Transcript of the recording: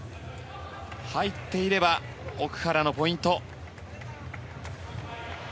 入っていれば奥原のポイント。